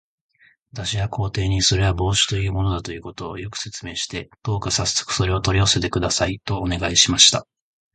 私は皇帝に、それは帽子というものだということを、よく説明して、どうかさっそくそれを取り寄せてください、とお願いしました。